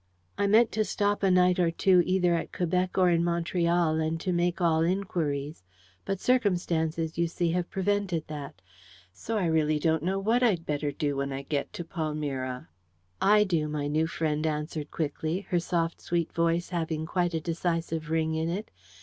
I meant to stop a night or two either at Quebec or in Montreal, and to make all inquiries: but circumstances, you see, have prevented that. So I really don't know what I'd better do when I get to Palmyra." "I do," my new friend answered quickly, her soft sweet voice having quite a decisive ring in it.